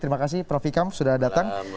terima kasih prof ikam sudah datang